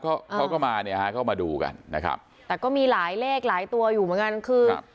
เขาเขาก็มาเนี่ยฮะเข้ามาดูกันนะครับแต่ก็มีหลายเลขหลายตัวอยู่เหมือนกันคือ